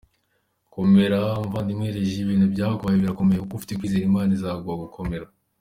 Komera komera muvandi legis ibintu byakubaye birakomeye kuko ufite kwizera imana izaguha nogukomera.